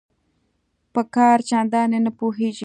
په کار چنداني نه پوهیږي